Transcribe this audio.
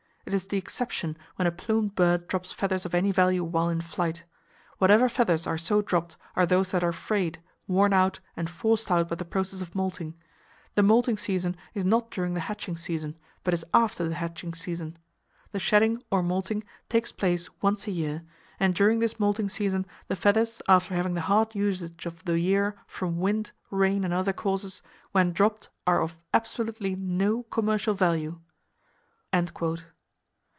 It is the exception when a plumed bird drops feathers of any value while in flight. Whatever feathers are so dropped are those that are frayed, worn out, and forced out by the process of moulting. The moulting season is not during the hatching season, but is after the hatching season. The shedding, or moulting, takes place once a year; and during this moulting season the feathers, after having the hard usage of the year from wind, rain and other causes, when dropped are of absolutely no commercial value."